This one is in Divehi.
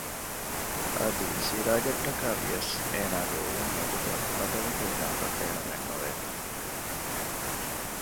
އަދި ސިރާޖަށްޓަކައި ވިޔަސް އޭނާގެ އުޅުން އެގޮތަށް ބަދަލު ކޮށްލާކަށް ބޭނުމެއް ނުވެ